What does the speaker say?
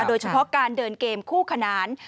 โดยเฉพาะการเดินเกมคู่ขนาน